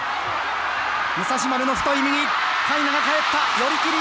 武蔵丸の太い右かいなが返った、寄り切り。